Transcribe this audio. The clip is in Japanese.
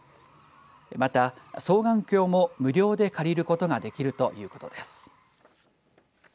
また双眼鏡も無料で借りることができるということです。